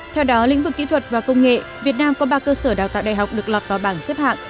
theo đó lĩnh vực kỹ thuật và công nghệ việt nam có ba cơ sở đào tạo đại học được lọt vào bảng xếp hạng